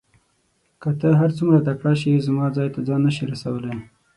که ته هر څوره تکړه شې زما ځای ته ځان نه شې رسولای.